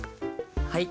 はい。